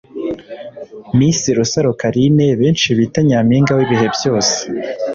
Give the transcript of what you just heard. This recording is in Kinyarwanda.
Miss Rusaro Carine benshi bita ‘Nyampinga w’ibihe byose’